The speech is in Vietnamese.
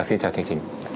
xin chào chương trình